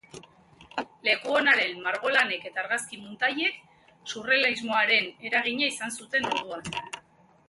Lekuonaren margolanek eta argazki-muntaiek surrealismoaren eragina izan zuten orduan.